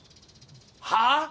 はあ？